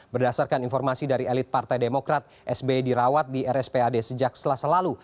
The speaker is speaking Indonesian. berdasarkan informasi dari elit partai demokrat sb dirawat di rspad sejak selasa lalu